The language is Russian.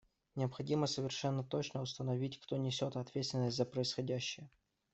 Необходимо совершенно точно установить, кто несет ответственность за происходящее.